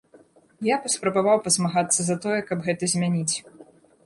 Я паспрабаваў пазмагацца за тое, каб гэта змяніць.